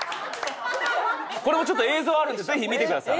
これもちょっと映像あるのでぜひ見てください。